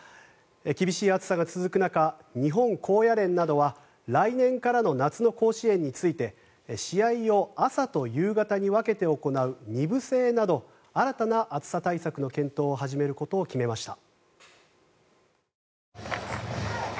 厳しい暑さが続く中日本高野連などは来年からの夏の甲子園について試合を朝と夕方に分けて行う２部制など新たな暑さ対策の検討を始めることを決めました。